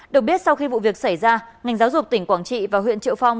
được biết sau khi vụ việc xảy ra ngành giáo dục tỉnh quảng trị và huyện triệu phong